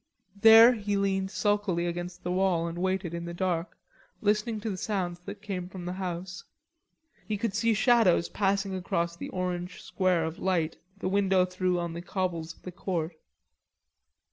There he leaned sulkily against the wall and waited in the dark, listening to the sounds that came from the house. He could see shadows passing across the orange square of light the window threw on the cobbles of the court.